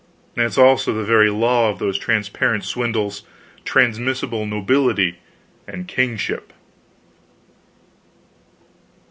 And it's also the very law of those transparent swindles, transmissible nobility and kingship.